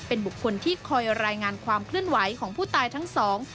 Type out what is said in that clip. เป็นบุคคลที่คอยรายงานความเคลื่อนไหวของผู้ตายทั้งสอง